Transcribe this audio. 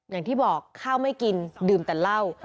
อย่างที่บอกข้าวไม่กินดื่มแต่เหล้า